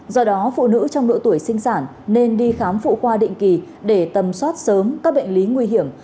do đó phụ nữ trong độ tuổi sinh sản nên đi khám phụ khoa định kỳ để tầm soát sớm các bệnh lý nguy hiểm